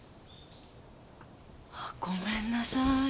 あごめんなさい。